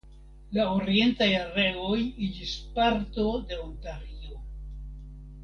La orientaj areoj iĝis parto de Ontario.